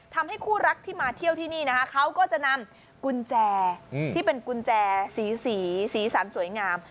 ทำให้คู่รักที่มาเที่ยวที่นี่นะคะเขาก็จะนำกุญแจที่เป็นกุญแจสีสีสันสวยงาม